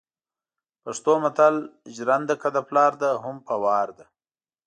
پښتو متل ژرنده که دپلار ده هم په وار ده